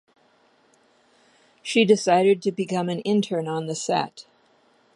She decided to become an intern on the set.